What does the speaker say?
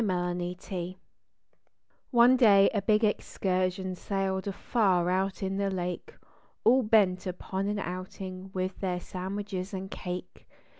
86 i FED THE FISHES One day a big excursion sailed afar out in the lake All bent upon an outing with their sandwiches and cake.